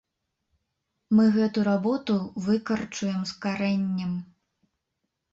Мы гэту работу выкарчуем з карэннем.